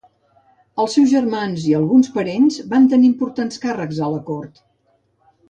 Els seus germans i alguns parents van tenir importants càrrecs a la cort.